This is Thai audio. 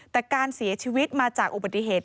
แต่การเสียชีวิตมาจากอุบัติเหตุ